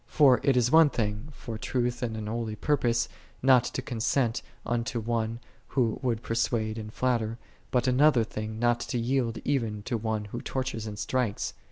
For it is one thing, for truth and an holy purpose, not to consent unto one who would persuade and flatter, but another thing not to yield even to one who tortures and strikes.